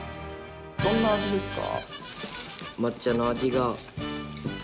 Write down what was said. どんな味ですか？